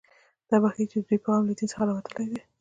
دا به ښيي چې د دوی پیغام له دین څخه راوتلی دی